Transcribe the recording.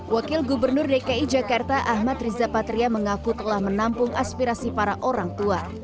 wakil gubernur dki jakarta ahmad riza patria mengaku telah menampung aspirasi para orang tua